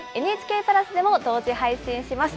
ＮＨＫプラスでも同時配信します。